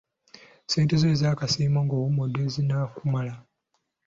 Ssente zo ez'akasiimo ng'owummudde zinaakumala?